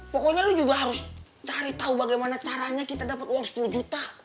pokoknya lo juga harus cari tahu bagaimana caranya kita dapat uang sepuluh juta